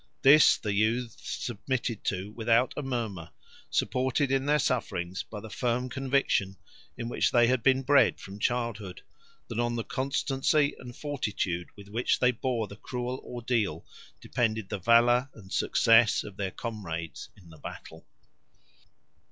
This the youths submitted to without a murmur, supported in their sufferings by the firm conviction, in which they had been bred from childhood, that on the constancy and fortitude with which they bore the cruel ordeal depended the valour and success of their comrades in the battle.